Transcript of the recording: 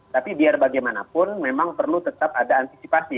tapi biar bagaimanapun memang perlu tetap ada antisipasi